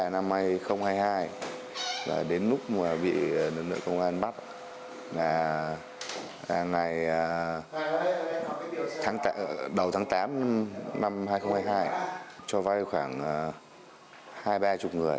từ tháng ba năm hai nghìn hai mươi hai đến lúc bị đồng đội công an bắt là ngày đầu tháng tám năm hai nghìn hai mươi hai cho vay khoảng hai ba chục người